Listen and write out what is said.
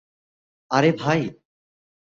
আরে, ভাই!